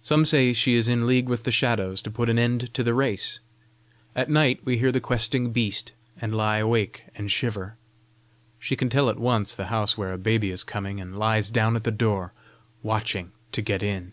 Some say she is in league with the Shadows to put an end to the race. At night we hear the questing beast, and lie awake and shiver. She can tell at once the house where a baby is coming, and lies down at the door, watching to get in.